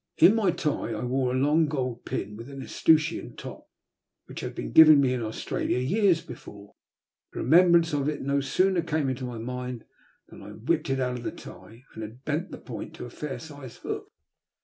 In my tie I wore a long gold pin, with an escutcheon top, which had been given me in Australia years before. The remembrance of it no sooner came into my mind than I had whipped it out of the tie, and had bent the point into a fair sized hook.